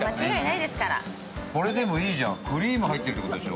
これ、でもいいじゃん、クリーム入ってるってことでしょ